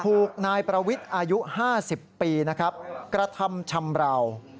คุกนายประวิทย์อายุ๕๐ปีกระทำชำราว